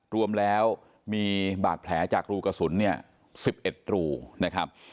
รวมแล้วมีบาดแผลจากรูกระสุนเนี่ย๑๑รูนะครับ